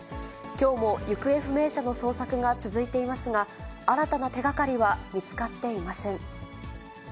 きょうも行方不明者の捜索が続いていますが、新たな手がかりは見つかっていません。